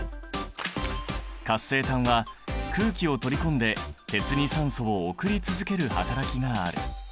活性炭は空気を取り込んで鉄に酸素を送り続ける働きがある。